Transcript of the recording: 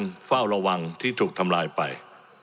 เฝ้าระวังที่ถูกทำลายไป